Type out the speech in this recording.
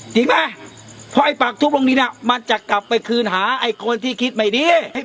จริงไหมเพราะไอ้ปากทุบลงนี้น่ะมันจะกลับไปคืนหาไอ้คนที่คิดไม่ดี